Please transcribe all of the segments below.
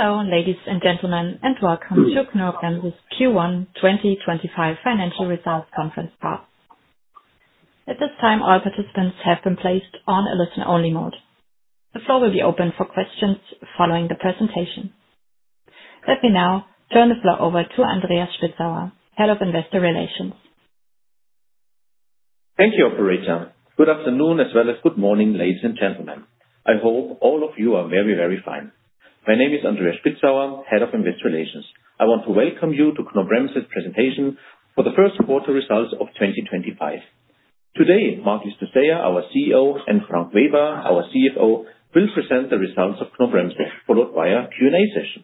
Hello, ladies and gentlemen, and welcome to Knorr-Bremse's Q1 2025 Financial Results Conference Call. At this time, all participants have been placed on a listen-only mode. The floor will be open for questions following the presentation. Let me now turn the floor over to Andreas Spitzauer, Head of Investor Relations. Thank you, operator. Good afternoon, as well as good morning, ladies and gentlemen. I hope all of you are very, very fine. My name is Andreas Spitzauer, Head of Investor Relations. I want to welcome you to Knorr-Bremse's presentation for the first quarter results of 2025. Today, Marc Llistosella, our CEO, and Frank Weber, our CFO, will present the results of Knorr-Bremse, followed by a Q&A session.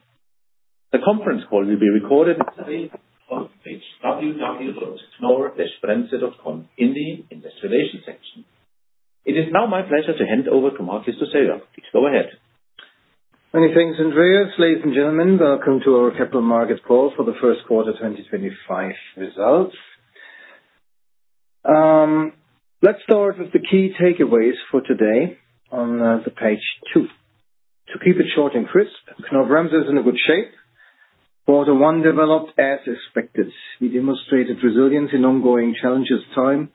The conference call will be recorded and available on the page www.knorr-bremse.com in the Investor Relations section. It is now my pleasure to hand over to Marc Llistosella. Please go ahead. Many thanks, Andreas. Ladies and gentlemen, welcome to our capital markets call for the first quarter 2025 results. Let's start with the key takeaways for today on the page two. To keep it short and crisp, Knorr-Bremse is in good shape. Quarter one developed as expected. We demonstrated resilience in ongoing challenging times,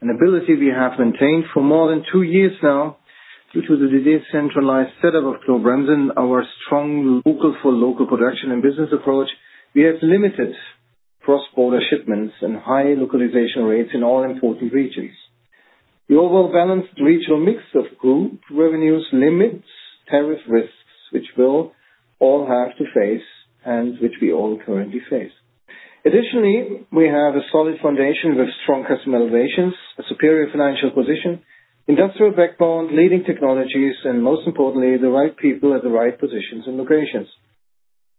the ability we have maintained for more than two years now. Due to the decentralized setup of Knorr-Bremse and our strong local-for-local production and business approach, we have limited cross-border shipments and high localization rates in all important regions. The overall balanced regional mix of group revenues limits tariff risks, which we'll all have to face and which we all currently face. Additionally, we have a solid foundation with strong customer relations, a superior financial position, industrial backbone, leading technologies, and most importantly, the right people at the right positions and locations.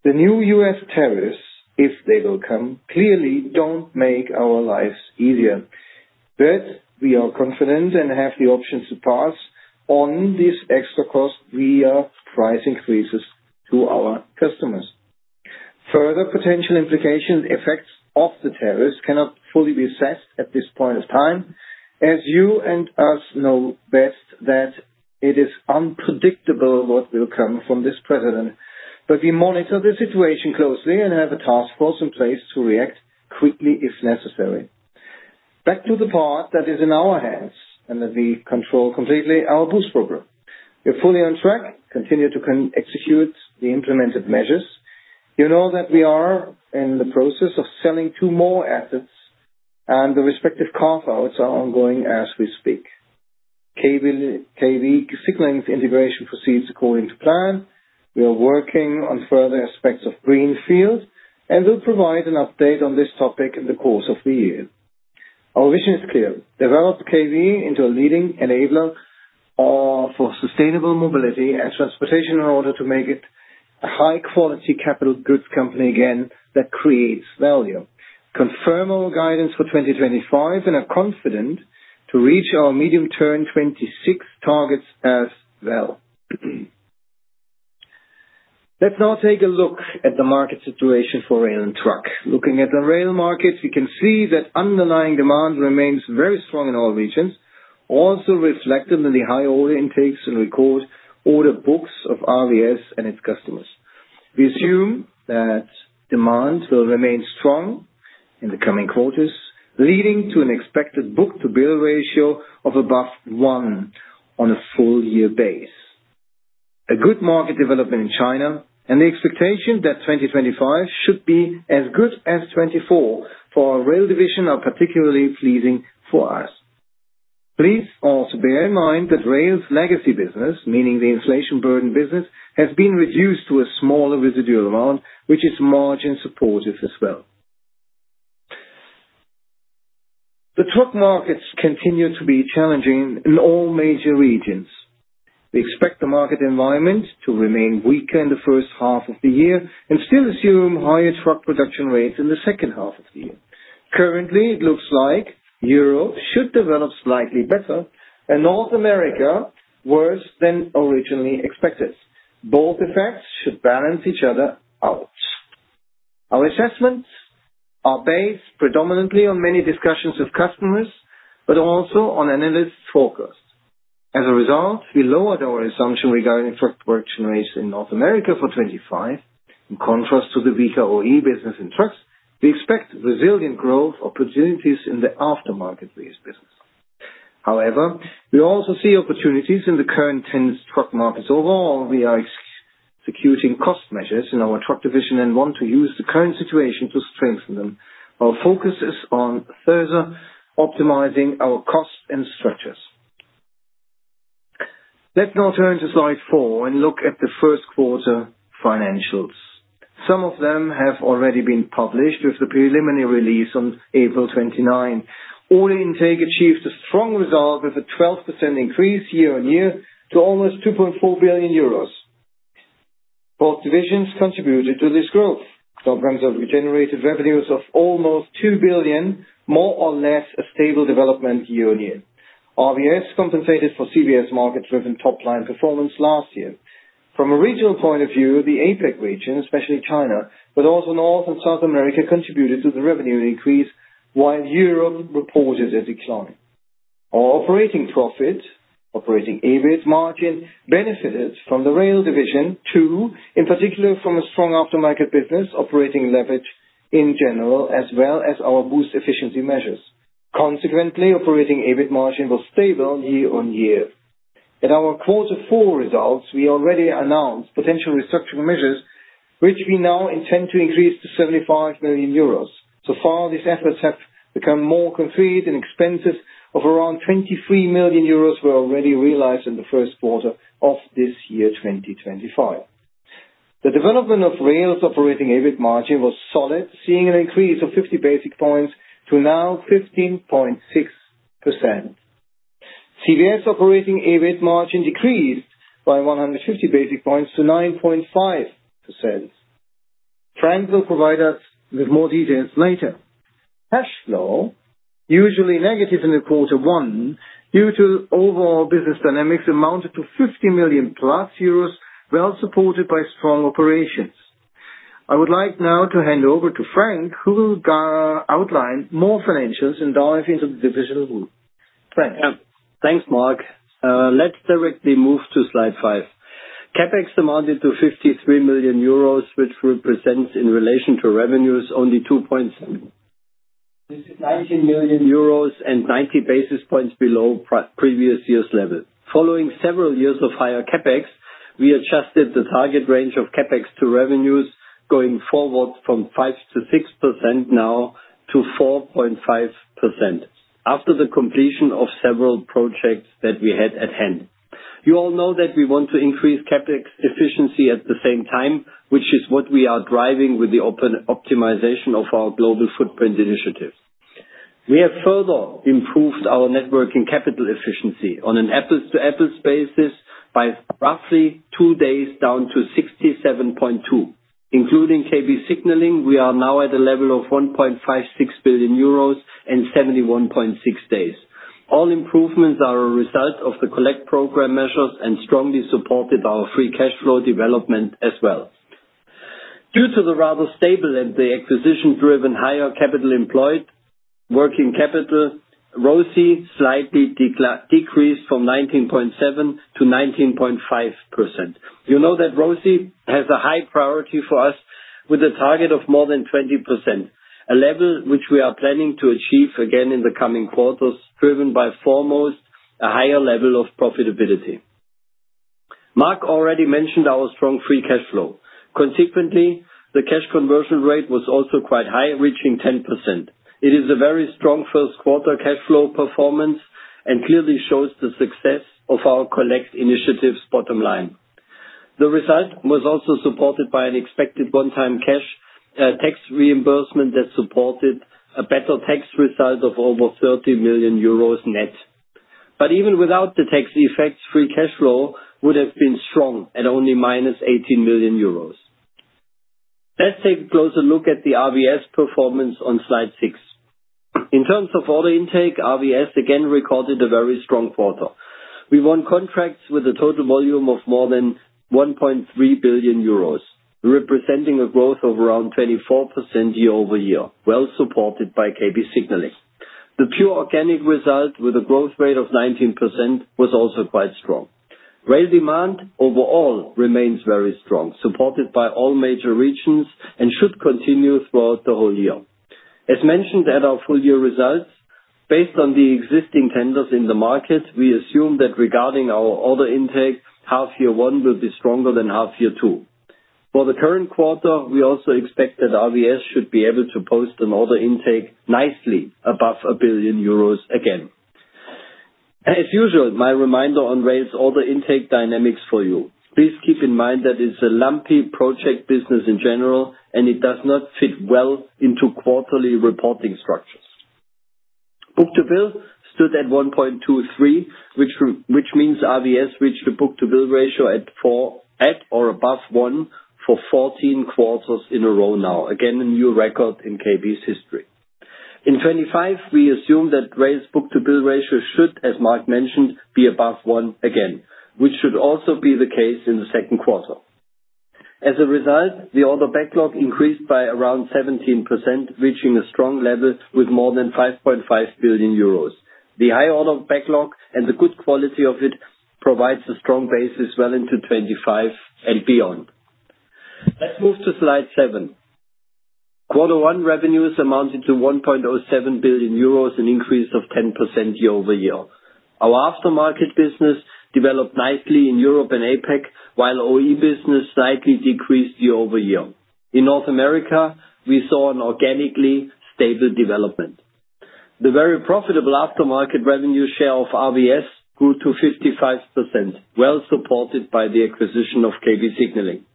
The new U.S. tariffs, if they will come, clearly don't make our lives easier. But we are confident and have the option to pass on this extra cost via price increases to our customers. Further potential implications and effects of the tariffs cannot fully be assessed at this point of time, as you and us know best that it is unpredictable what will come from this president. But we monitor the situation closely and have a task force in place to react quickly if necessary. Back to the part that is in our hands and that we control completely, our BOOST program. We're fully on track, continue to execute the implemented measures. You know that we are in the process of selling two more assets, and the respective carve-outs are ongoing as we speak. KB Signaling integration proceeds according to plan. We are working on further aspects of Greenfield, and we'll provide an update on this topic in the course of the year. Our vision is clear, develop KB into a leading enabler for sustainable mobility and transportation in order to make it a high-quality capital goods company again that creates value. Confirm our guidance for 2025, and are confident to reach our medium-term 2026 targets as well. Let's now take a look at the market situation for rail and truck. Looking at the rail market, we can see that underlying demand remains very strong in all regions, also reflected in the high order intakes and record order books of RVS and its customers. We assume that demand will remain strong in the coming quarters, leading to an expected book-to-bill ratio of above one on a full-year base. A good market development in China and the expectation that 2025 should be as good as 2024 for our rail division are particularly pleasing for us. Please also bear in mind that rail's legacy business, meaning the inflation-burdened business, has been reduced to a smaller residual amount, which is margin-supportive as well. The truck markets continue to be challenging in all major regions. We expect the market environment to remain weaker in the first half of the year and still assume higher truck production rates in the second half of the year. Currently, it looks like Europe should develop slightly better and North America worse than originally expected. Both effects should balance each other out. Our assessments are based predominantly on many discussions with customers, but also on analysts' forecasts. As a result, we lowered our assumption regarding truck production rates in North America for 2025. In contrast to the weaker OE business in trucks, we expect resilient growth opportunities in the aftermarket rail business. However, we also see opportunities in the current tense truck markets. Overall, we are executing cost measures in our truck division and want to use the current situation to strengthen them. Our focus is on further optimizing our costs and structures. Let's now turn to Slide Four and look at the first quarter financials. Some of them have already been published with the preliminary release on April 29. Order intake achieved a strong result with a 12% increase year-on-year to almost 2.4 billion euros. Both divisions contributed to this growth. Knorr-Bremse generated revenues of almost 2 billion, more or less a stable development year-on-year. RVS compensated for CVS market-driven top-line performance last year. From a regional point of view, the APAC region, especially China, but also North and South America, contributed to the revenue increase, while Europe reported a decline. Our operating profit, operating EBIT margin, benefited from the rail division too, in particular from a strong aftermarket business, operating leverage in general, as well as our BOOST efficiency measures. Consequently, operating EBIT margin was stable year-on-year. At our quarter four results, we already announced potential restructuring measures, which we now intend to increase to 75 million euros. So far, these efforts have become more concrete and expenses of around 23 million euros we already realized in the first quarter of this year, 2025. The development of rail's operating EBIT margin was solid, seeing an increase of 50 basis points to now 15.6%. CVS operating EBIT margin decreased by 150 basis points to 9.5%. Frank will provide us with more details later. Cash flow, usually negative in the quarter one due to overall business dynamics, amounted to 50 million euros plus, well supported by strong operations. I would like now to hand over to Frank, who will outline more financials and dive into the divisional group. Frank. Thanks, Marc. Let's directly move to Slide Five. CapEx amounted to 53 million euros, which represents in relation to revenues only 2.7%. This is 19 million euros and 90 basis points below previous year's level. Following several years of higher CapEx, we adjusted the target range of CapEx to revenues going forward from 5% to 6% now to 4.5% after the completion of several projects that we had at hand. You all know that we want to increase CapEx efficiency at the same time, which is what we are driving with the optimization of our global footprint initiative. We have further improved our net working capital efficiency on an apples-to-apples basis by roughly two days down to 67.2 million. Including KB Signaling, we are now at a level of 1.56 billion euros and 71.6 days. All improvements are a result of the COLLECT program measures and strongly supported our free cash flow development as well. Due to the rather stable and the acquisition-driven higher capital employed, working capital (ROCE) slightly decreased from 19.7% to 19.5%. You know that ROCE has a high priority for us with a target of more than 20%, a level which we are planning to achieve again in the coming quarters, driven by foremost a higher level of profitability. Marc already mentioned our strong free cash flow. Consequently, the cash conversion rate was also quite high, reaching 10%. It is a very strong first-quarter cash flow performance and clearly shows the success of our COLLECT initiatives, bottom line. The result was also supported by an expected one-time tax reimbursement that supported a better tax result of over 30 million euros net. But even without the tax effects, free cash flow would have been strong at only -18 million euros. Let's take a closer look at the RVS performance on Slide Six. In terms of order intake, RVS again recorded a very strong quarter. We won contracts with a total volume of more than 1.3 billion euros, representing a growth of around 24% year-over-year, well supported by KB Signaling. The pure organic result, with a growth rate of 19%, was also quite strong. Rail demand overall remains very strong, supported by all major regions, and should continue throughout the whole year. As mentioned at our full-year results, based on the existing tenders in the market, we assume that regarding our order intake, half-year one will be stronger than half-year two. For the current quarter, we also expect that RVS should be able to post an order intake nicely above 1 billion euros again. As usual, my reminder on rail's order intake dynamics for you. Please keep in mind that it's a lumpy project business in general, and it does not fit well into quarterly reporting structures. Book-to-bill stood at 1.23, which means RVS reached a book-to-bill ratio at or above one for 14 quarters in a row now, again a new record in KB's history. In 2025, we assume that rail's book-to-bill ratio should, as Marc mentioned, be above one again, which should also be the case in the second quarter. As a result, the order backlog increased by around 17%, reaching a strong level with more than 5.5 billion euros. The high order backlog and the good quality of it provides a strong basis well into 2025 and beyond. Let's move to Slide Seven. Quarter one revenues amounted to 1.07 billion euros, an increase of 10% year-over-year. Our aftermarket business developed nicely in Europe and APAC, while OE business slightly decreased year-over-year. In North America, we saw an organically stable development. The very profitable aftermarket revenue share of RVS grew to 55%, well supported by the acquisition of KB Signaling.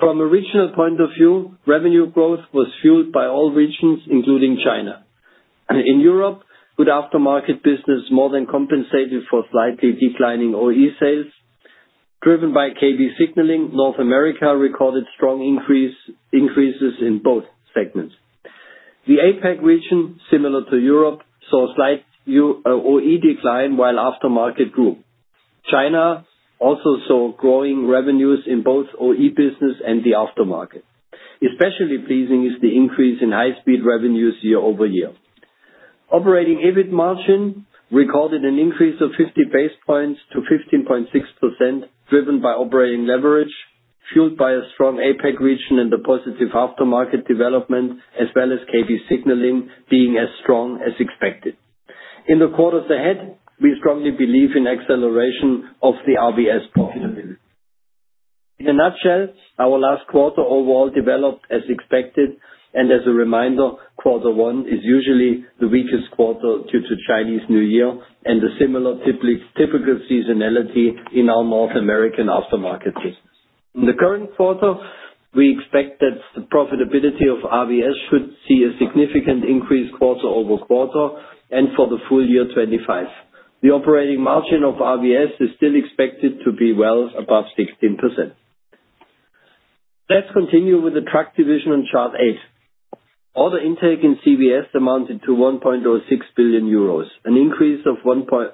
From a regional point of view, revenue growth was fueled by all regions, including China. In Europe, good aftermarket business more than compensated for slightly declining OE sales. Driven by KB Signaling, North America recorded strong increases in both segments. The APAC region, similar to Europe, saw slight OE decline, while aftermarket grew. China also saw growing revenues in both OE business and the aftermarket. Especially pleasing is the increase in high-speed revenues year-over-year. Operating EBIT margin recorded an increase of 50 basis points to 15.6%, driven by operating leverage, fueled by a strong APAC region and the positive aftermarket development, as well as KB Signaling being as strong as expected. In the quarters ahead, we strongly believe in acceleration of the RVS profitability. In a nutshell, our last quarter overall developed as expected. As a reminder, quarter one is usually the weakest quarter due to Chinese New Year and the similar typical seasonality in our North American aftermarket business. In the current quarter, we expect that the profitability of RVS should see a significant increase quarter-over-quarter and for the full year 2025. The operating margin of RVS is still expected to be well above 16%. Let's continue with the truck division on chart eight. Order intake in CVS amounted to 1.06 billion euros, an increase of 1%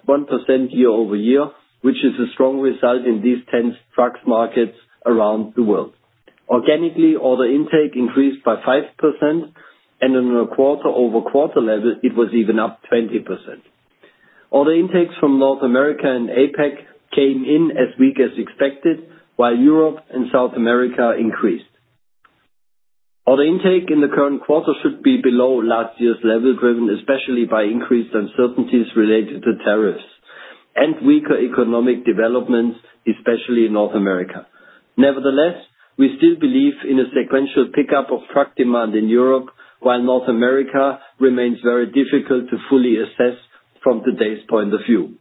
year-over-year, which is a strong result in these tough truck markets around the world. Organically, order intake increased by 5%, and on a quarter-over-quarter level, it was even up 20%. Order intakes from North America and APAC came in as weak as expected, while Europe and South America increased. Order intake in the current quarter should be below last year's level, driven especially by increased uncertainties related to tariffs and weaker economic developments, especially in North America. Nevertheless, we still believe in a sequential pickup of truck demand in Europe, while North America remains very difficult to fully assess from today's point of view.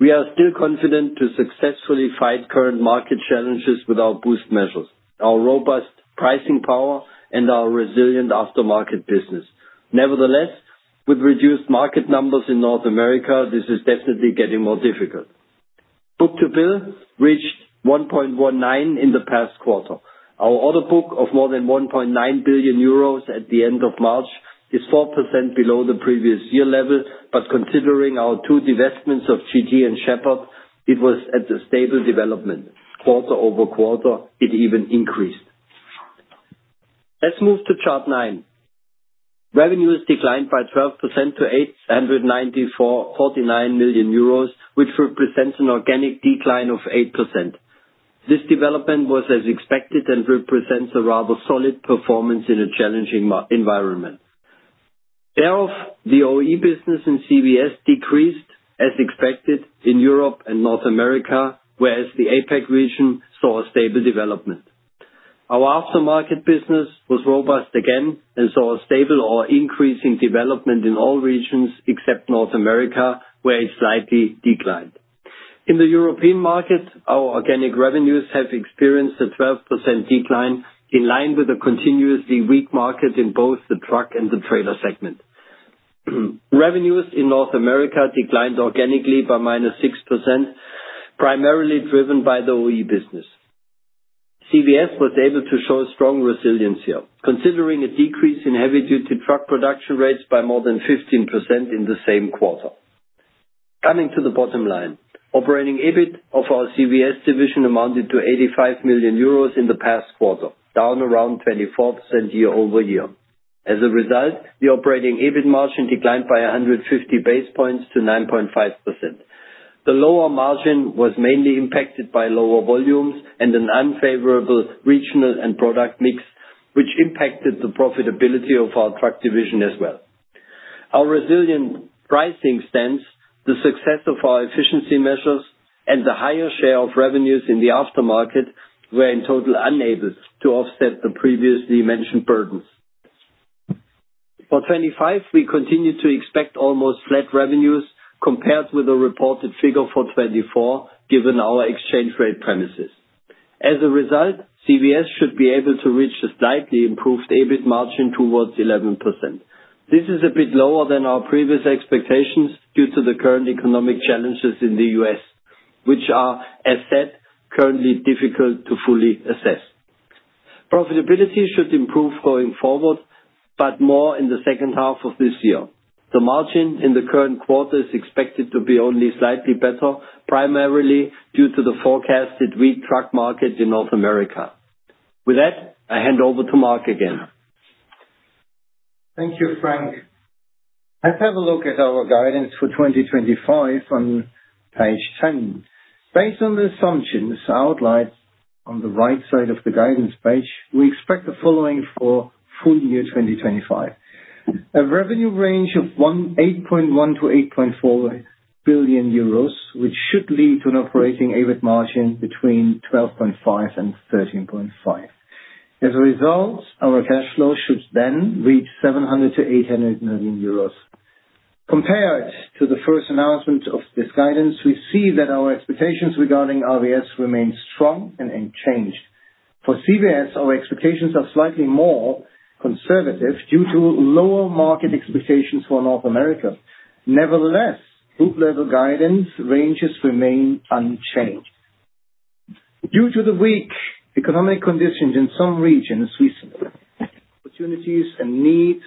We are still confident to successfully fight current market challenges with our boost measures, our robust pricing power, and our resilient aftermarket business. Nevertheless, with reduced market numbers in North America, this is definitely getting more difficult. Book-to-bill reached 1.19 in the past quarter. Our order book of more than 1.9 billion euros at the end of March is 4% below the previous year level, but considering our two divestments of GT and Sheppard, it was at a stable development. Quarter-over-quarter, it even increased. Let's move to chart nine. Revenues declined by 12% to 849 million euros, which represents an organic decline of 8%. This development was as expected and represents a rather solid performance in a challenging environment. Thereof, the OE business in CVS decreased, as expected, in Europe and North America, whereas the APAC region saw a stable development. Our aftermarket business was robust again and saw a stable or increasing development in all regions except North America, where it slightly declined. In the European market, our organic revenues have experienced a 12% decline in line with a continuously weak market in both the truck and the trailer segment. Revenues in North America declined organically by -6%, primarily driven by the OE business. CVS was able to show strong resilience here, considering a decrease in heavy-duty truck production rates by more than 15% in the same quarter. Coming to the bottom line, operating EBIT of our CVS division amounted to 85 million euros in the past quarter, down around 24% year-over-year. As a result, the operating EBIT margin declined by 150 basis points to 9.5%. The lower margin was mainly impacted by lower volumes and an unfavorable regional and product mix, which impacted the profitability of our truck division as well. Our resilient pricing stance, the success of our efficiency measures, and the higher share of revenues in the aftermarket were in total unable to offset the previously mentioned burdens. For 2025, we continue to expect almost flat revenues compared with the reported figure for 2024, given our exchange rate premises. As a result, CVS should be able to reach a slightly improved EBIT margin towards 11%. This is a bit lower than our previous expectations due to the current economic challenges in the U.S., which are, as said, currently difficult to fully assess. Profitability should improve going forward, but more in the second half of this year. The margin in the current quarter is expected to be only slightly better, primarily due to the forecasted weak truck market in North America. With that, I hand over to Marc again. Thank you, Frank. Let's have a look at our guidance for 2025 on page 10. Based on the assumptions outlined on the right side of the guidance page, we expect the following for full year 2025, a revenue range of 8.1 billion-8.4 billion euros, which should lead to an operating EBIT margin between 12.5%-13.5%. As a result, our cash flow should then reach 700 million-800 million euros. Compared to the first announcement of this guidance, we see that our expectations regarding RVS remain strong and unchanged. For CVS, our expectations are slightly more conservative due to lower market expectations for North America. Nevertheless, group-level guidance ranges remain unchanged. Due to the weak economic conditions in some regions, we see opportunities and needs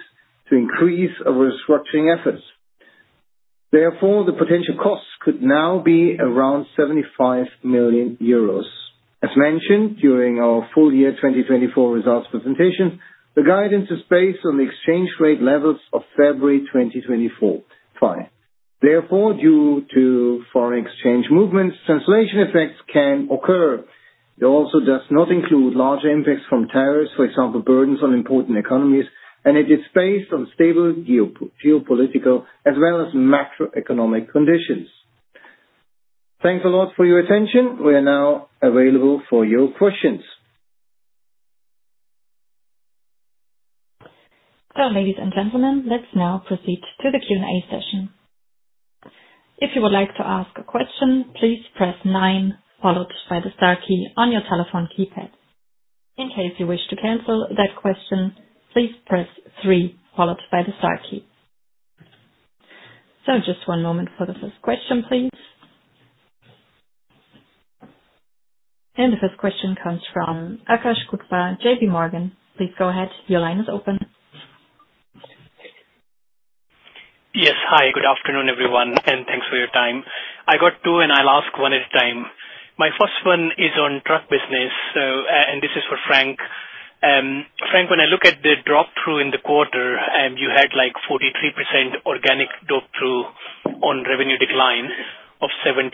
to increase our restructuring efforts. Therefore, the potential costs could now be around 75 million euros. As mentioned during our full year 2024 results presentation, the guidance is based on the exchange rate levels of February 2024. Therefore, due to foreign exchange movements, translation effects can occur. It also does not include larger impacts from tariffs, for example, burdens on important economies, and it is based on stable geopolitical as well as macroeconomic conditions. Thanks a lot for your attention. We are now available for your questions. So, ladies and gentlemen, let's now proceed to the Q&A session. If you would like to ask a question, please press nine, followed by the star key on your telephone keypad. In case you wish to cancel that question, please press three, followed by the star key. So, just one moment for the first question, please. And the first question comes from Akash Gupta, JPMorgan. Please go ahead. Your line is open. Yes. Hi, good afternoon, everyone, and thanks for your time. I got two, and I'll ask one at a time. My first one is on truck business, and this is for Frank. Frank, when I look at the drop-through in the quarter, you had like 43% organic drop-through on revenue decline of 76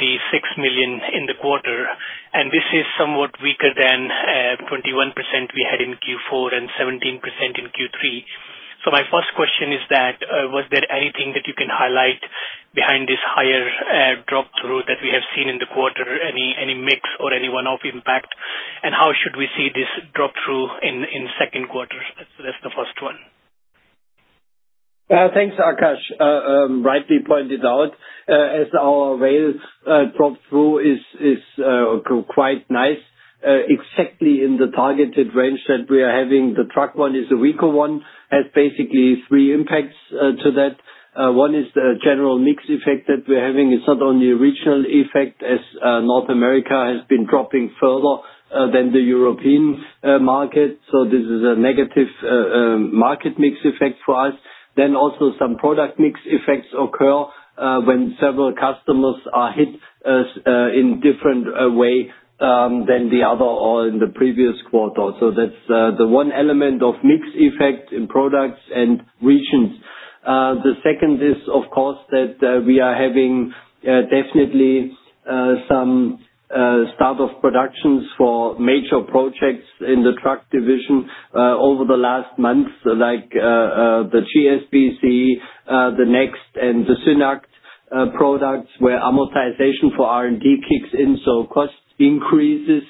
million in the quarter. And this is somewhat weaker than 21% we had in Q4 and 17% in Q3. So my first question is that, was there anything that you can highlight behind this higher drop-through that we have seen in the quarter, any mix or any one-off impact? And how should we see this drop-through in second quarter? So that's the first one. Thanks, Akash. Rightly pointed out. As our rail drop-through is quite nice, exactly in the targeted range that we are having, the truck one is a weaker one, has basically three impacts to that. One is the general mix effect that we're having. It's not only a regional effect, as North America has been dropping further than the European market. So this is a negative market mix effect for us. Then also some product mix effects occur when several customers are hit in a different way than the other or in the previous quarter. So that's the one element of mix effect in products and regions. The second is, of course, that we are having definitely some start-of-productions for major projects in the truck division over the last months, like the GSBC, the NexTT, and the SYNACT products, where amortization for R&D kicks in, so cost increases.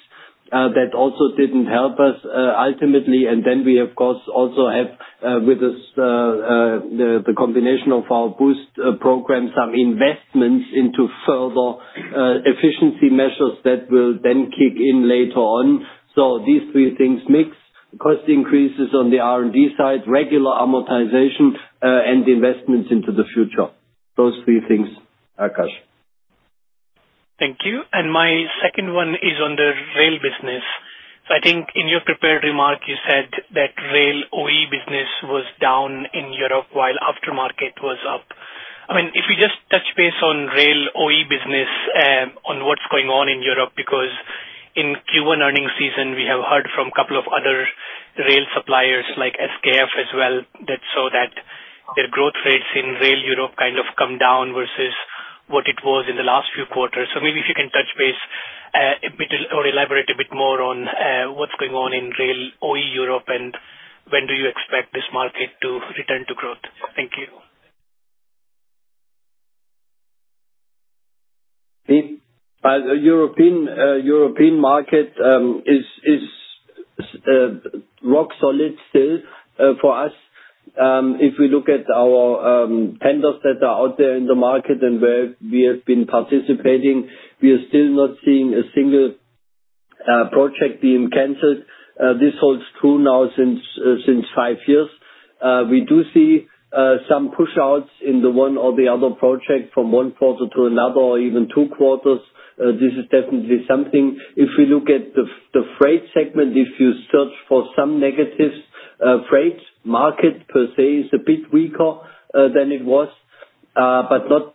That also didn't help us ultimately. And then we, of course, also have with us the combination of our BOOST program, some investments into further efficiency measures that will then kick in later on. So these three things mix: cost increases on the R&D side, regular amortization, and investments into the future. Those three things, Akash. Thank you. And my second one is on the rail business. So I think in your prepared remark, you said that rail OE business was down in Europe while aftermarket was up. I mean, if we just touch base on rail OE business, on what's going on in Europe, because in Q1 earnings season, we have heard from a couple of other rail suppliers like SKF as well that saw that their growth rates in rail Europe kind of come down versus what it was in the last few quarters. So maybe if you can touch base or elaborate a bit more on what's going on in rail OE Europe and when do you expect this market to return to growth? Thank you. The European market is rock solid still for us. If we look at our tenders that are out there in the market and where we have been participating, we are still not seeing a single project being canceled. This holds true now since five years. We do see some push-outs in the one or the other project from one quarter to another or even two quarters. This is definitely something. If we look at the freight segment, if you search for some negatives, freight market per se is a bit weaker than it was, but not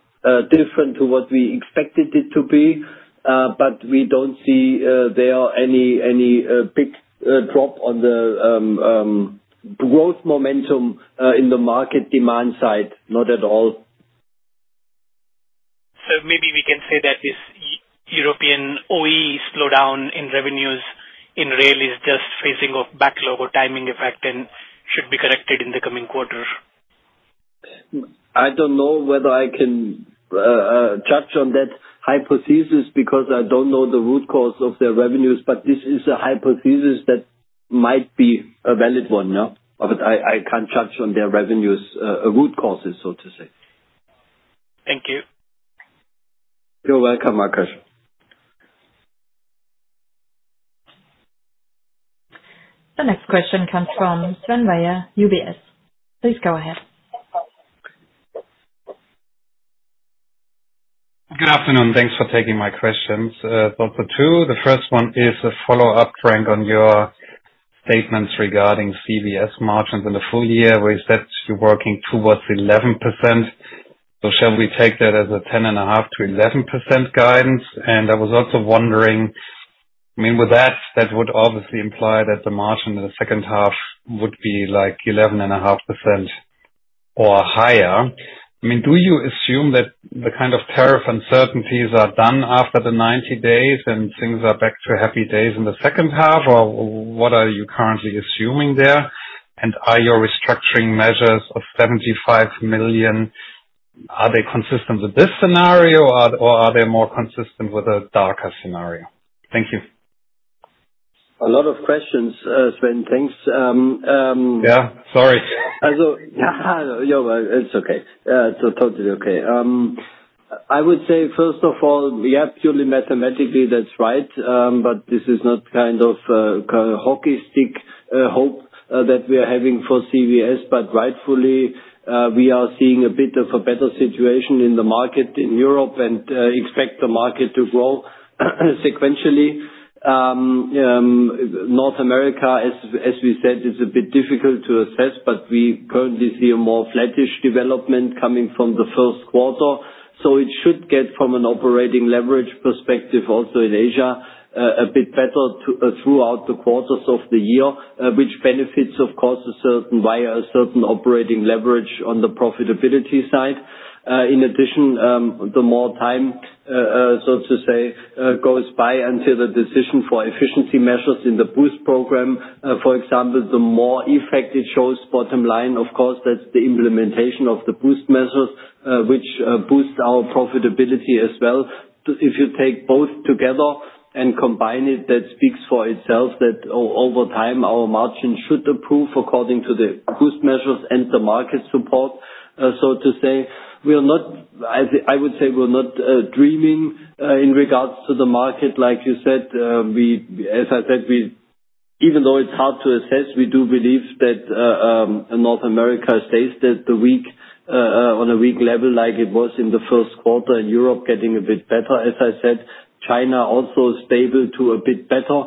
different to what we expected it to be. But we don't see there any big drop on the growth momentum in the market demand side, not at all. So maybe we can say that this European OE slowdown in revenues in rail is just facing a backlog or timing effect and should be corrected in the coming quarter. I don't know whether I can touch on that hypothesis because I don't know the root cause of their revenues, but this is a hypothesis that might be a valid one. I can't touch on their revenues, root causes, so to say. Thank you. You're welcome, Akash. The next question comes from Sven Weier, UBS. Please go ahead. Good afternoon. Thanks for taking my questions. I have two. The first one is a follow-up, Frank, on your statements regarding CVS margins in the full year, where you said you're working towards 11%. So shall we take that as a 10.5%-11% guidance? And I was also wondering, I mean, with that, that would obviously imply that the margin in the second half would be like 11.5% or higher. I mean, do you assume that the kind of tariff uncertainties are done after the 90 days and things are back to happy days in the second half, or what are you currently assuming there? And are your restructuring measures of 75 million, are they consistent with this scenario, or are they more consistent with a darker scenario? Thank you. A lot of questions, Sven. Thanks. Yeah. Sorry. It's okay. Totally okay. I would say, first of all, yeah, purely mathematically, that's right, but this is not kind of a hockey stick hope that we are having for CVS. But rightfully, we are seeing a bit of a better situation in the market in Europe and expect the market to grow sequentially. North America, as we said, is a bit difficult to assess, but we currently see a more flattish development coming from the first quarter. So it should get, from an operating leverage perspective also in Asia, a bit better throughout the quarters of the year, which benefits, of course, a certain operating leverage on the profitability side. In addition, the more time, so to say, goes by until the decision for efficiency measures in the boost program, for example, the more effect it shows, bottom line, of course, that's the implementation of the boost measures, which boosts our profitability as well. If you take both together and combine it, that speaks for itself that over time, our margin should improve according to the boost measures and the market support, so to say. I would say we're not dreaming in regards to the market. Like you said, as I said, even though it's hard to assess, we do believe that North America stays on a weak level like it was in the first quarter in Europe, getting a bit better. As I said, China also stable to a bit better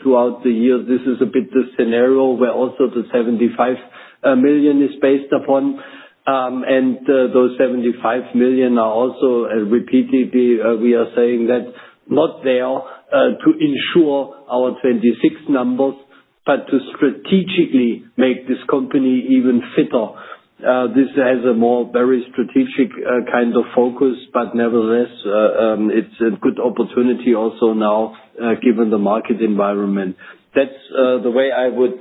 throughout the year. This is a bit the scenario where also the 75 million is based upon. Those 75 million are also repeatedly, we are saying that not there to ensure our 2026 numbers, but to strategically make this company even fitter. This has a more very strategic kind of focus, but nevertheless, it's a good opportunity also now given the market environment. That's the way I would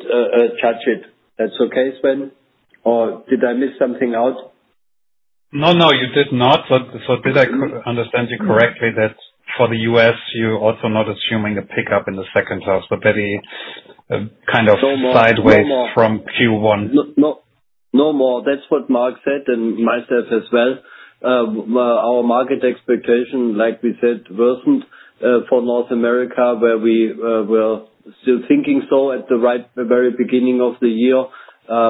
judge it. That's okay, Sven? Or did I miss something out? No, no, you did not. So did I understand you correctly that for the U.S., you're also not assuming a pickup in the second half, but very kind of sideways from Q1? No more. No more. That's what Marc said, and myself as well. Our market expectation, like we said, worsened for North America, where we were still thinking so at the very beginning of the year,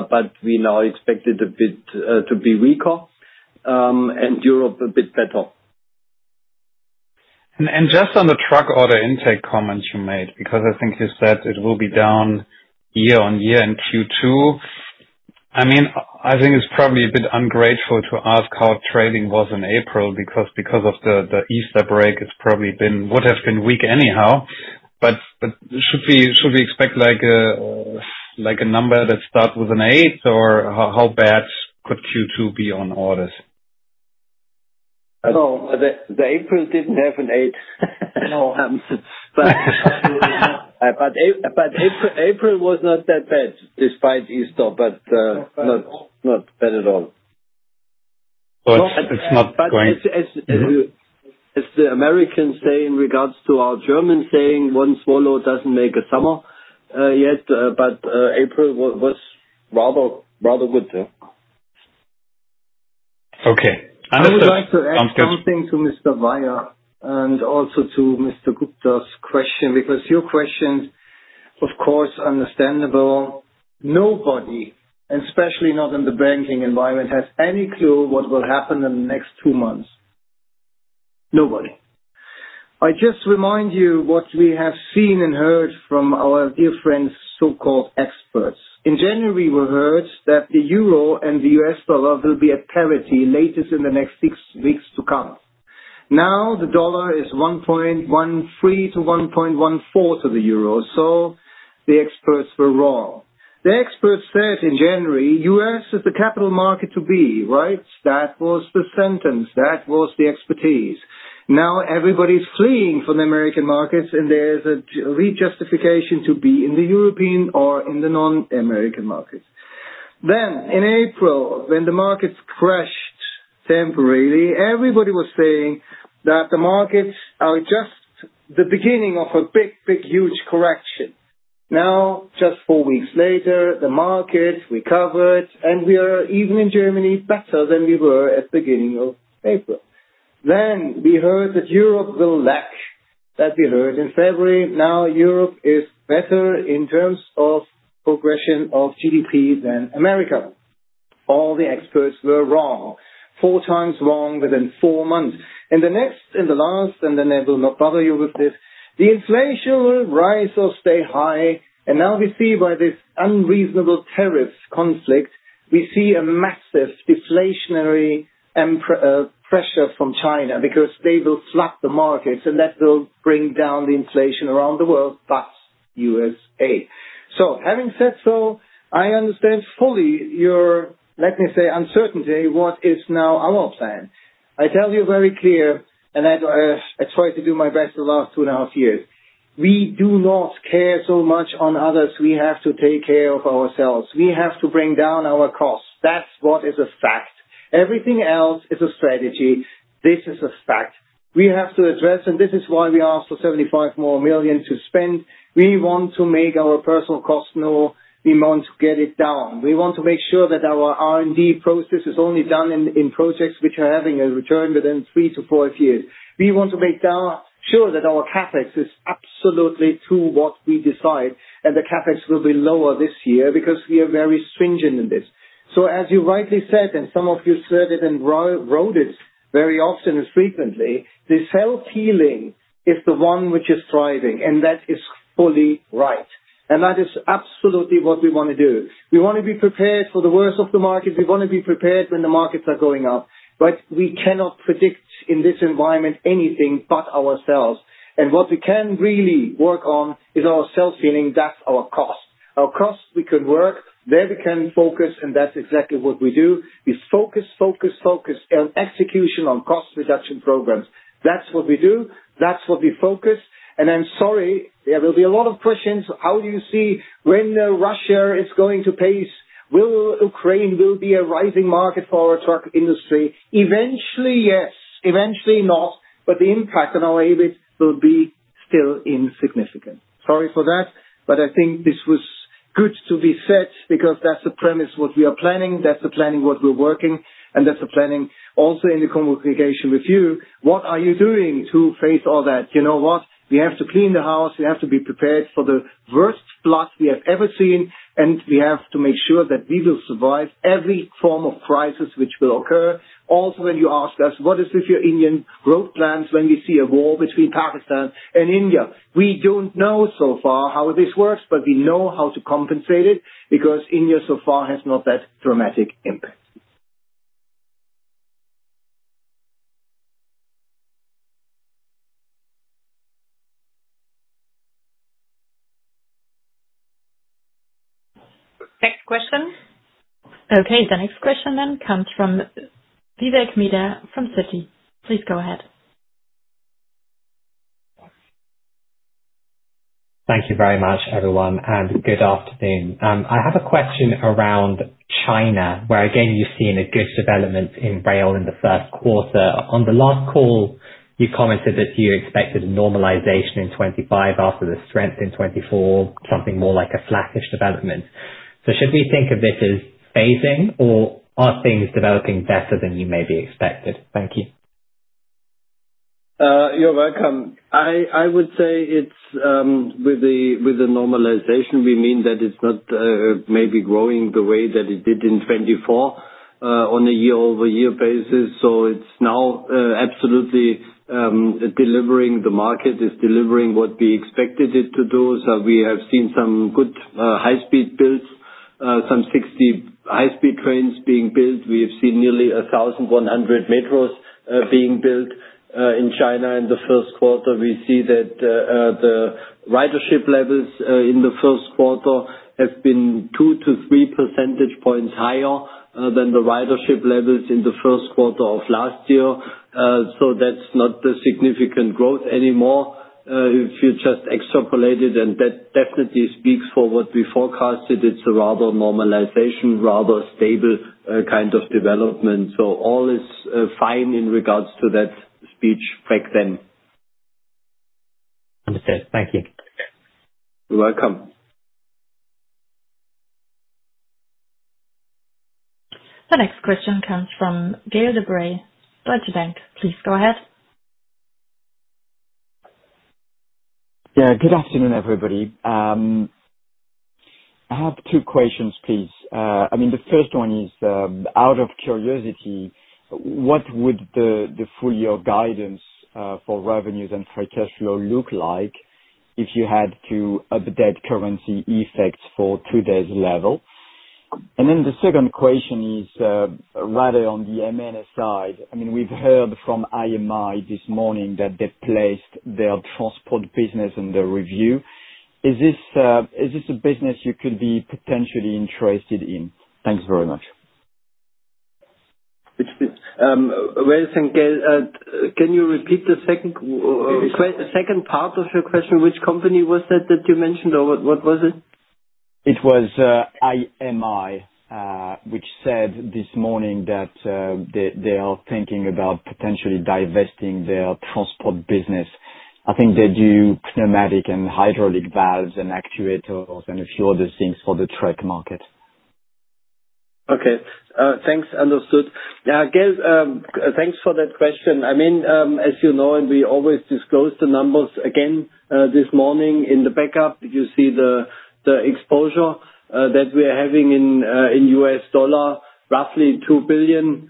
but we now expect it a bit to be weaker and Europe a bit better. Just on the truck order intake comments you made, because I think you said it will be down year-on-year in Q2. I mean, I think it's probably a bit ungrateful to ask how trading was in April because of the Easter break. It probably would have been weak anyhow. But should we expect a number that starts with an eight, or how bad could Q2 be on orders? No, the April didn't have an eight, but April was not that bad despite Easter, but not bad at all. It's not going. As the Americans say in regards to our German saying, one swallow doesn't make a summer yet, but April was rather good, though. Okay. Sounds good. I would like to add something to Mr. Weier and also to Mr. Gupta's question because your questions, of course, understandable. Nobody, and especially not in the banking environment, has any clue what will happen in the next two months. Nobody. I just remind you what we have seen and heard from our dear friends, so-called experts. In January, we heard that the EUR and the US dollar will be at parity latest in the next six weeks to come. Now the dollar is 1.13-1.14 to the EUR. So the experts were wrong. The experts said in January, U.S. is the capital market to be, right? That was the sentence. That was the expertise. Now everybody's fleeing from the American markets, and there's a re-justification to be in the European or in the non-American markets. Then in April, when the markets crashed temporarily, everybody was saying that the markets are just the beginning of a big, big, huge correction. Now, just four weeks later, the market recovered, and we are even in Germany better than we were at the beginning of April. Then we heard that Europe will lag, that we heard in February. Now Europe is better in terms of projection of GDP than America. All the experts were wrong, four times wrong within four months. In the next and the last, and then I will not bother you with this, the inflation will rise or stay high. And now we see by this unreasonable tariff conflict, we see a massive deflationary pressure from China because they will flood the markets, and that will bring down the inflation around the world, plus USA. So having said so, I understand fully your, let me say, uncertainty of what is now our plan. I tell you very clear, and I try to do my best the last two and a half years. We do not care so much on others. We have to take care of ourselves. We have to bring down our costs. That's what is a fact. Everything else is a strategy. This is a fact. We have to address, and this is why we asked for 75 million to spend. We want to make our personnel costs low. We want to get it down. We want to make sure that our R&D process is only done in projects which are having a return within three to five years. We want to make sure that our CapEx is absolutely to what we decide, and the CapEx will be lower this year because we are very stringent in this, so as you rightly said, and some of you said it and wrote it very often and frequently, the self-healing is the one which is thriving, and that is fully right, and that is absolutely what we want to do. We want to be prepared for the worst of the market. We want to be prepared when the markets are going up, but we cannot predict in this environment anything but ourselves, and what we can really work on is our self-healing. That's our cost. Our cost, we can work. There we can focus, and that's exactly what we do. We focus, focus, focus on execution on cost reduction programs. That's what we do. That's what we focus. I'm sorry, there will be a lot of questions. How do you see when Russia is going to peace? Will Ukraine be a rising market for our truck industry? Eventually, yes. Eventually, not. But the impact on our EBIT will be still insignificant. Sorry for that, but I think this was good to be said because that's the premise of what we are planning. That's the planning of what we're working, and that's the planning also in the communication with you. What are you doing to face all that? You know what? We have to clean the house. We have to be prepared for the worst flood we have ever seen, and we have to make sure that we will survive every form of crisis which will occur. Also, when you ask us, what is with your Indian road plans when we see a war between Pakistan and India? We don't know so far how this works, but we know how to compensate it because India so far has not that dramatic impact. Next question. Okay. The next question then comes from Vivek Midha from Citi. Please go ahead. Thank you very much, everyone, and good afternoon. I have a question around China, where again you've seen a good development in rail in the first quarter. On the last call, you commented that you expected a normalization in 2025 after the strength in 2024, something more like a flattish development. So should we think of this as phasing, or are things developing better than you maybe expected? Thank you. You're welcome. I would say it's with the normalization. We mean that it's not maybe growing the way that it did in 2024 on a year-over-year basis. So it's now absolutely delivering. The market is delivering what we expected it to do. So we have seen some good high-speed builds, some 60 high-speed trains being built. We have seen nearly 1,100 km being built in China in the first quarter. We see that the ridership levels in the first quarter have been two to three percentage points higher than the ridership levels in the first quarter of last year. So that's not the significant growth anymore. If you just extrapolate it, and that definitely speaks for what we forecasted, it's a rather normalization, rather stable kind of development. So all is fine in regards to that speech back then. Understood. Thank you. You're welcome. The next question comes from Gaël de-Bray, Deutsche Bank. Please go ahead. Yeah. Good afternoon, everybody. I have two questions, please. I mean, the first one is out of curiosity, what would the full-year guidance for revenues and free cash flow look like if you had to update currency effects for today's level? And then the second question is rather on the M&A side. I mean, we've heard from IMI this morning that they placed their transport business under review. Is this a business you could be potentially interested in? Thanks very much. Well then, can you repeat the second part of your question? Which company was that that you mentioned, or what was it? It was IMI, which said this morning that they are thinking about potentially divesting their transport business. I think they do pneumatic and hydraulic valves and actuators and a few other things for the truck market. Okay. Thanks. Understood. Gaël, thanks for that question. I mean, as you know, and we always disclose the numbers again this morning in the backup. You see the exposure that we are having in US dollar, roughly $2 billion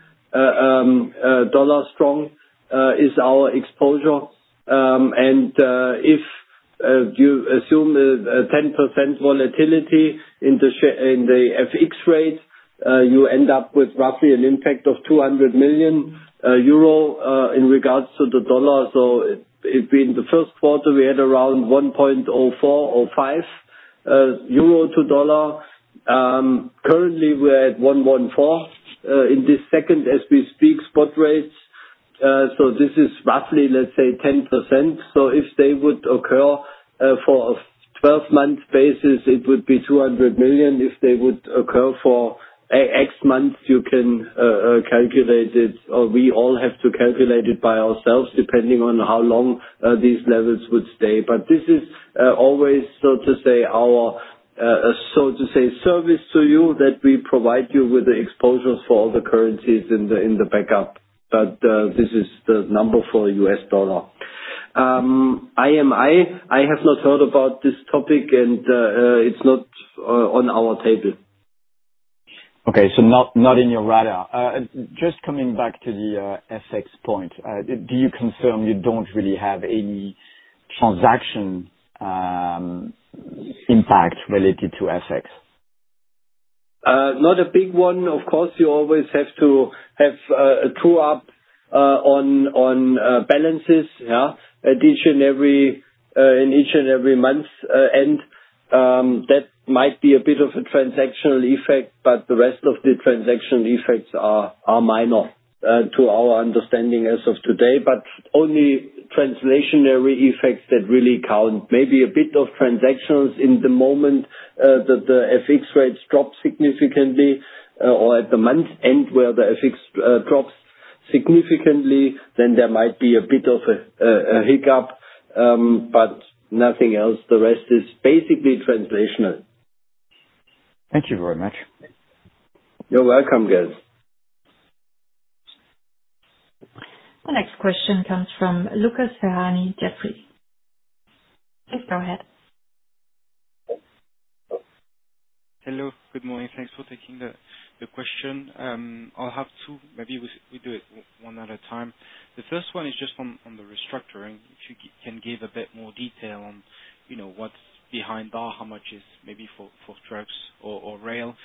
strong is our exposure. And if you assume a 10% volatility in the FX rate, you end up with roughly an impact of 200 million euro in regards to the dollar. So in the first quarter, we had around 1.04 to 1.05 EUR to US dollar. Currently, we're at 1.04 in this second quarter as we speak spot rates. So this is roughly, let's say, 10%. So if they would occur for a 12-month basis, it would be 200 million. If they would occur for six months, you can calculate it, or we all have to calculate it by ourselves depending on how long these levels would stay. But this is always, so to say, our service to you that we provide you with the exposures for all the currencies in the backup. But this is the number for US dollar. IMI, I have not heard about this topic, and it's not on our table. Okay. So not in your radar. Just coming back to the FX point, do you confirm you don't really have any transaction impact related to FX? Not a big one. Of course, you always have to have a true-up on balances, yeah, in each and every month. And that might be a bit of a transactional effect, but the rest of the transactional effects are minor to our understanding as of today, but only translational effects that really count. Maybe a bit of transactional in the moment that the FX rates drop significantly or at the month end where the FX drops significantly, then there might be a bit of a hiccup, but nothing else. The rest is basically translational. Thank you very much. You're welcome, Gaël. The next question comes from Lucas Ferhani, Jefferies. Please go ahead. Hello. Good morning. Thanks for taking the question. I'll have two. Maybe we do it one at a time. The first one is just on the restructuring. If you can give a bit more detail on what's behind that, how much is maybe for trucks or rail,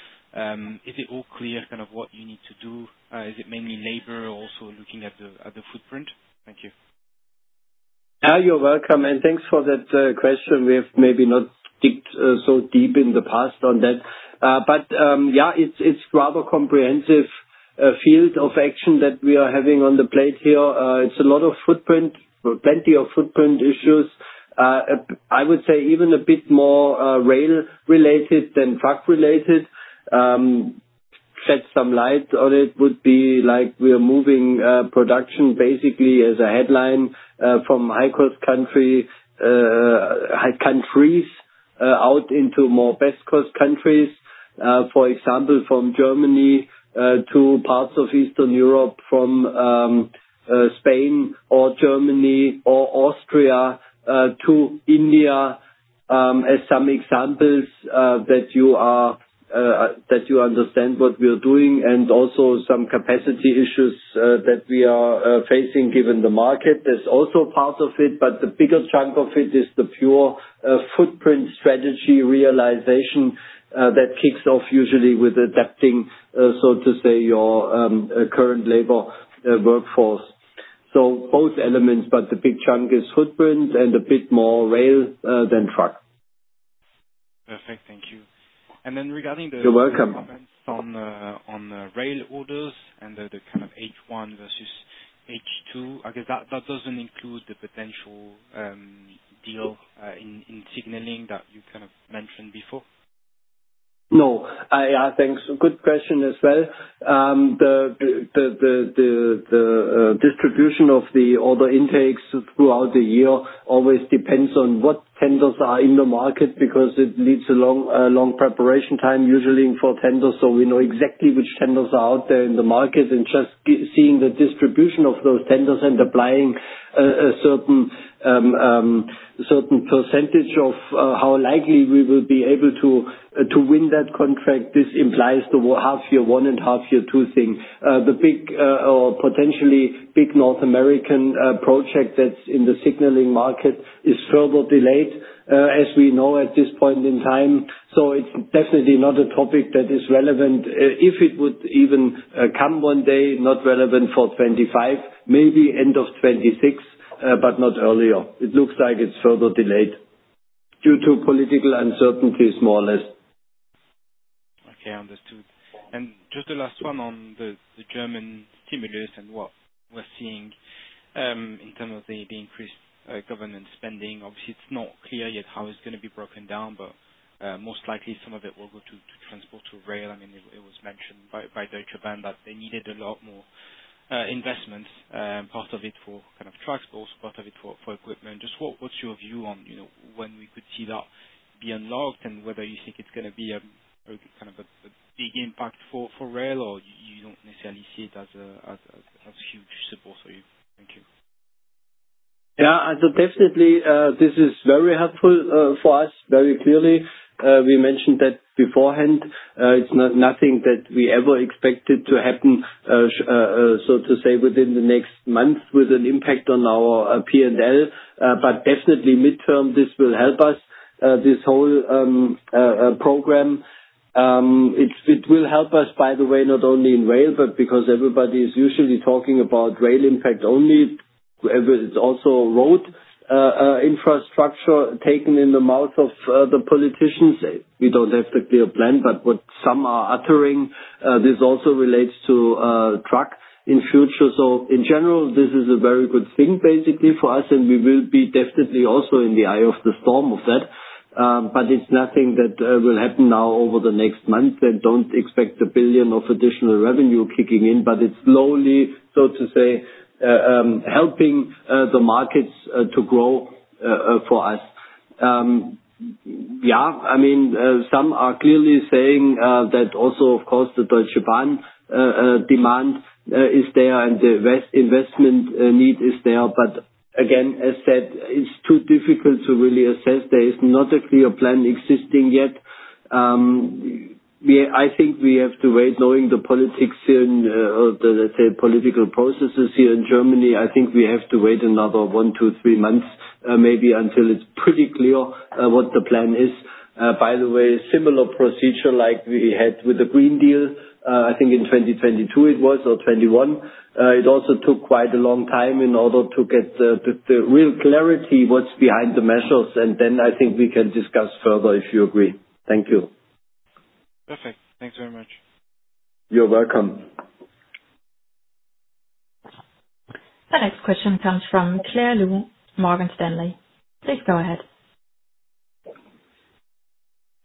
is it all clear kind of what you need to do? Is it mainly labor or also looking at the footprint? Thank you. Yeah. You're welcome. And thanks for that question. We've maybe not dipped so deep in the past on that. But yeah, it's rather a comprehensive field of action that we are having on the plate here. It's a lot of footprint, plenty of footprint issues. I would say even a bit more rail-related than truck-related. Shed some light on it would be like we're moving production basically as a headline from high-cost countries out into more best-cost countries. For example, from Germany to parts of Eastern Europe, from Spain or Germany or Austria to India as some examples that you understand what we're doing, and also some capacity issues that we are facing given the market. There's also part of it, but the bigger chunk of it is the pure footprint strategy realization that kicks off usually with adapting, so to say, your current labor workforce. So both elements, but the big chunk is footprint and a bit more rail than truck. Perfect. Thank you. And then regarding the. You're welcome. Comments on rail orders and the kind of H1 versus H2, I guess that doesn't include the potential deal in signaling that you kind of mentioned before? No. Yeah. Thanks. Good question as well. The distribution of the order intakes throughout the year always depends on what tenders are in the market because it needs a long preparation time usually for tenders. So we know exactly which tenders are out there in the market and just seeing the distribution of those tenders and applying a certain percentage of how likely we will be able to win that contract. This implies the half-year one and half-year two thing. The big or potentially big North American project that's in the signaling market is further delayed, as we know, at this point in time. So it's definitely not a topic that is relevant. If it would even come one day, not relevant for 2025, maybe end of 2026, but not earlier. It looks like it's further delayed due to political uncertainties, more or less. Okay. Understood. And just the last one on the Germanystimulus and what we're seeing in terms of the increased government spending. Obviously, it's not clear yet how it's going to be broken down, but most likely some of it will go to transport to rail. I mean, it was mentioned by Deutsche Bahn that they needed a lot more investments, part of it for kind of trucks, but also part of it for equipment. Just what's your view on when we could see that be unlocked and whether you think it's going to be kind of a big impact for rail or you don't necessarily see it as a huge support for you? Thank you. Yeah. Definitely. This is very helpful for us, very clearly. We mentioned that beforehand. It's nothing that we ever expected to happen, so to say, within the next month with an impact on our P&L. But definitely midterm, this will help us, this whole program. It will help us, by the way, not only in rail, but because everybody is usually talking about rail impact only. It's also road infrastructure taken in the mouth of the politicians. We don't have the clear plan, but what some are uttering, this also relates to truck in future. So in general, this is a very good thing basically for us, and we will be definitely also in the eye of the storm of that. But it's nothing that will happen now over the next month. Don't expect a billion of additional revenue kicking in, but it's slowly, so to say, helping the markets to grow for us. Yeah. I mean, some are clearly saying that also, of course, the Deutsche Bahn demand is there and the investment need is there. But again, as said, it's too difficult to really assess. There is not a clear plan existing yet. I think we have to wait knowing the politics here and the, let's say, political processes here in Germany. I think we have to wait another one, two, three months maybe until it's pretty clear what the plan is. By the way, similar procedure like we had with the Green Deal, I think in 2022 it was or 2021. It also took quite a long time in order to get the real clarity what's behind the measures. I think we can discuss further if you agree. Thank you. Perfect. Thanks very much. You're welcome. The next question comes from Claire Liu, Morgan Stanley. Please go ahead.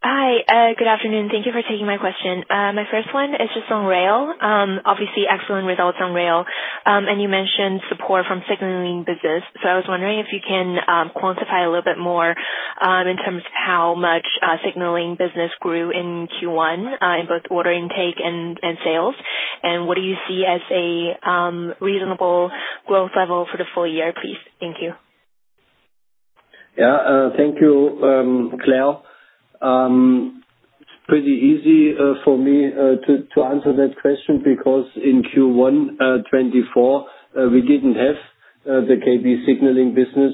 Hi. Good afternoon. Thank you for taking my question. My first one is just on rail. Obviously, excellent results on rail. And you mentioned support from signaling business. So I was wondering if you can quantify a little bit more in terms of how much signaling business grew in Q1 in both order intake and sales. And what do you see as a reasonable growth level for the full year, please? Thank you. Yeah. Thank you, Claire. It's pretty easy for me to answer that question because in Q1 2024, we didn't have the KB Signaling business.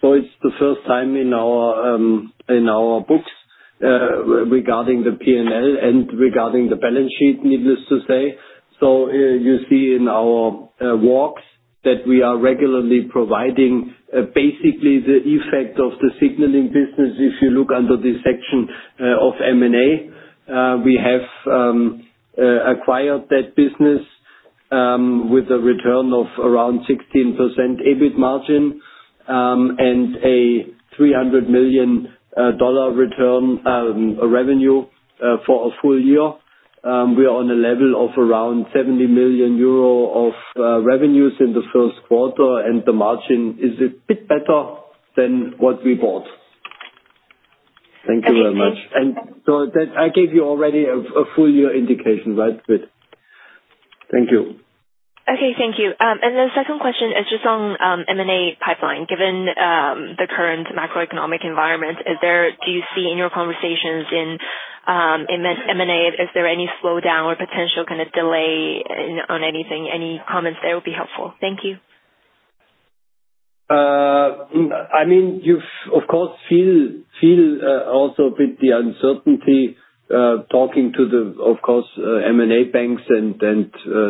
So it's the first time in our books regarding the P&L and regarding the balance sheet, needless to say. So you see in our walks that we are regularly providing basically the effect of the signaling business. If you look under the section of M&A, we have acquired that business with a return of around 16% EBIT margin and a $300 million return revenue for a full year. We are on a level of around 70 million euro of revenues in the first quarter, and the margin is a bit better than what we bought. Thank you very much. And so I gave you already a full-year indication, right, with thank you. Okay. Thank you. And then the second question is just on M&A pipeline. Given the current macroeconomic environment, do you see in your conversations in M&A, is there any slowdown or potential kind of delay on anything? Any comments there would be helpful. Thank you. I mean, you of course feel also a bit the uncertainty talking to the, of course, M&A banks and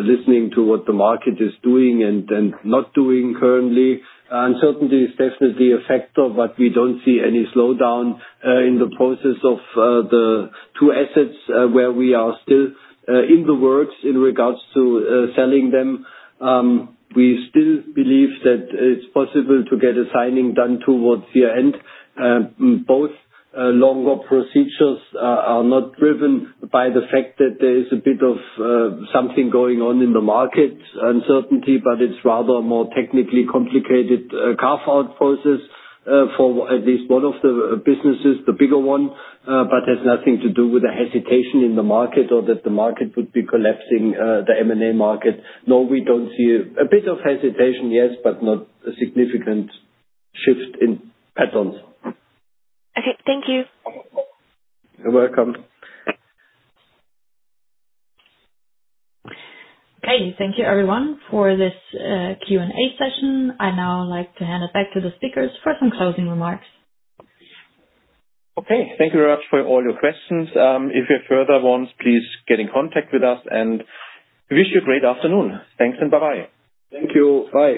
listening to what the market is doing and not doing currently. Uncertainty is definitely a factor, but we don't see any slowdown in the process of the two assets where we are still in the works in regards to selling them. We still believe that it's possible to get a signing done towards year-end. Both longer procedures are not driven by the fact that there is a bit of something going on in the market uncertainty, but it's rather a more technically complicated carve-out process for at least one of the businesses, the bigger one, but has nothing to do with the hesitation in the market or that the market would be collapsing, the M&A market. No, we don't see a bit of hesitation, yes, but not a significant shift in patterns. Okay. Thank you. You're welcome. Okay. Thank you, everyone, for this Q&A session. I now like to hand it back to the speakers for some closing remarks. Okay. Thank you very much for all your questions. If you have further ones, please get in contact with us, and we wish you a great afternoon. Thanks and bye-bye. Thank you. Bye.